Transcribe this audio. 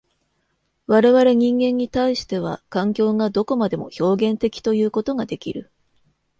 我々人間に対しては、環境がどこまでも表現的ということができる。